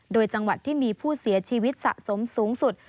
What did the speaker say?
โดยจังหวัดที่มีผู้เสียชีวิตสะสมสูงสุด